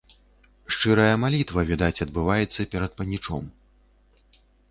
Шчырая малітва, відаць, адбываецца перад панічом.